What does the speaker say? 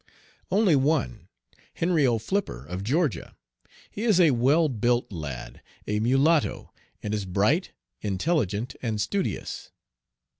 Only one Henry O. Flipper, of Georgia. He is a well built lad, a mulatto, and is bright, intelligent, and studious.